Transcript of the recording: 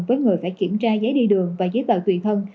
với người phải kiểm tra giấy đi đường và giấy tờ tùy thân